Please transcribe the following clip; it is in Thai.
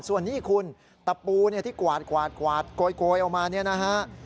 ส่วนนี้คุณตะปูที่กวาดโกยออกมาเนี่ยนะฮะ